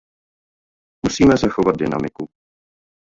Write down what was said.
Musíme zachovat dynamiku.